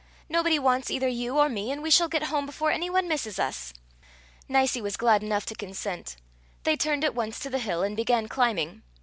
Nobody wants either you or me, and we shall get home before any one misses us." Nicie was glad enough to consent; they turned at once to the hill, and began climbing.